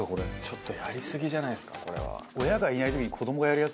ちょっとやりすぎじゃないですかこれは。